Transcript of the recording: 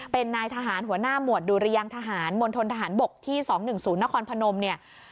เป็นนายทหารหัวหน้าหมวดดุรยังทหารมณฑนทหารบกที่๒๑๐นครพนมเนี่ย